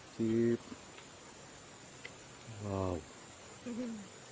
ชอบช่วยการที่